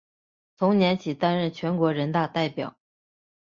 同年起担任全国人大代表。